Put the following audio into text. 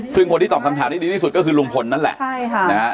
ซึ่งคนที่ตอบคำถามได้ดีที่สุดก็คือลุงพลนั่นแหละใช่ค่ะนะฮะ